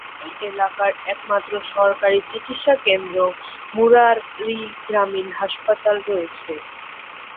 এই এলাকার একমাত্র সরকারি চিকিৎসা কেন্দ্র মুরারই গ্রামীণ হাসপাতাল রয়েছে।